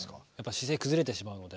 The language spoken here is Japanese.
自然に崩れてしまうので。